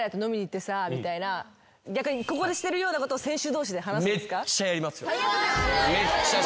逆にここでしてるようなことを選手同士で話すんですか？